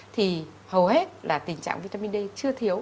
thì hầu hết là tình trạng vitamin d chưa thiếu